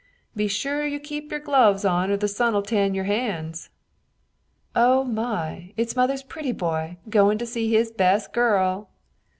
"Be sure you keep your gloves on or the sun'll tan your hands!" "Oh, my, it's mother's pretty boy, goin' to see his best girl!"